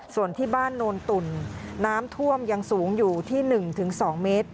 ส่วนที่บ้านโนนตุ่นน้ำท่วมยังสูงอยู่ที่๑๒เมตร